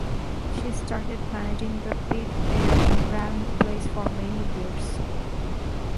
She started managing the pit there and ran the place for many years.